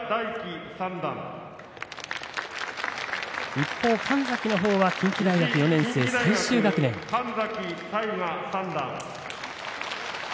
一方の神崎は近畿大学４年生、最終学年です。